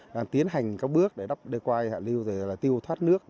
đang tiến hành các bước để đắp đê quai hạ lưu rồi là tiêu thoát nước